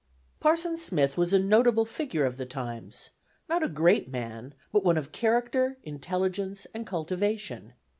Parson Smith was a notable figure of the times; not a great man, but one of character, intelligence and cultivation.